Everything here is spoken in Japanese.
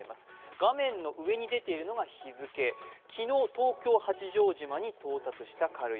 画面の上に出ているのが日付昨日、東京・八丈島に到達した軽石。